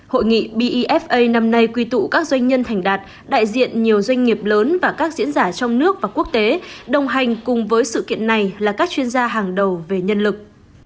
hội nghị befa năm nay quy tụ các doanh nhân thành đạt đại diện nhiều doanh nghiệp lớn và các diễn giả trong nước và quốc tế đồng hành cùng với sự kiện này là các chuyên gia hàng đầu về nhân lực